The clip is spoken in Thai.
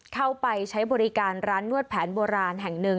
เข้าไปใช้บริการร้านนวดแผนโบราณแห่งหนึ่ง